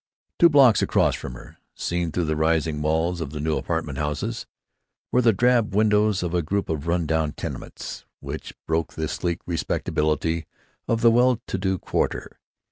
Two blocks across from her, seen through the rising walls of the new apartment houses, were the drab windows of a group of run down tenements, which broke the sleek respectability of the well to do quarter.